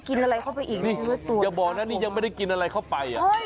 คือเค้าบอกว่าวัดออกมาแล้วนะ